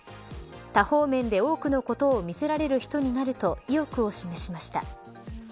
多方面で多くのことを見せられる人になると意欲を示しました。